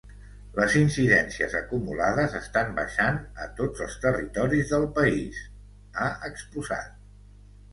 Les incidències acumulades estan baixant a tots els territoris del país, ha exposat.